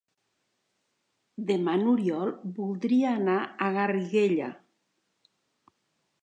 Demà n'Oriol voldria anar a Garriguella.